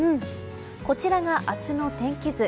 こちらが明日の天気図。